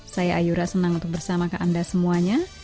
saya ayura senang untuk bersamakan anda semuanya